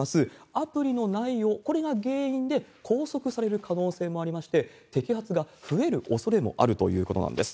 アプリの内容、これが原因で拘束される可能性もありまして、摘発が増えるおそれもあるということなんです。